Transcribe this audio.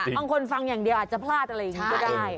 บางคนฟังอย่างเดียวอาจจะพลาดอะไรอย่างนี้ก็ได้